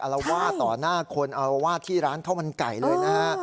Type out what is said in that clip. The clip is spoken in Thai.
เอาเราวาดต่อหน้าคนเอาเราวาดที่ร้านข้าวมันไก่เลย